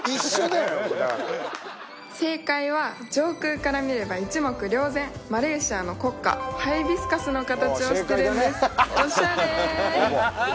だから正解は上空から見れば一目瞭然マレーシアの国花ハイビスカスの形をしてるんですオシャレ！